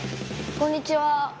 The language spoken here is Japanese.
こんにちは。